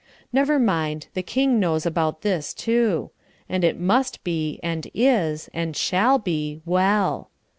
Never mind, the King knows about this, too; and it must be, and is, and shall be, well.